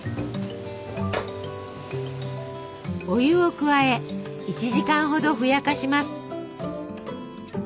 お湯を加え１時間ほどふやかします。